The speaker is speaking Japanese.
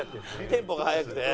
テンポが速くてね。